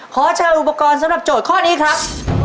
ขอเชิญอุปกรณ์สำหรับโจทย์ข้อนี้ครับ